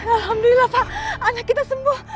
alhamdulillah pak ayah kita sembuh